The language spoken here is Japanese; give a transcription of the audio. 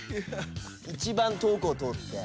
一番遠くを通って。